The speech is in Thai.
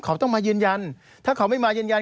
เขาต้องมายืนยันถ้าเขาไม่มายืนยัน